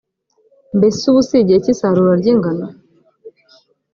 mbese ubu si igihe cy’isarura ry’ingano?